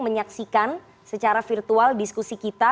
menyaksikan secara virtual diskusi kita